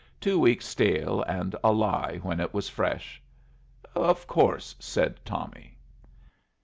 Two weeks stale and a lie when it was fresh." "Of course," said Tommy.